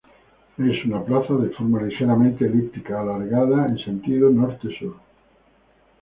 Es una plaza de forma ligeramente elíptica, alargada en sentido norte-sur.